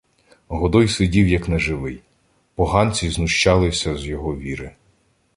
Годой сидів як неживий — поганці знущалися з його віри.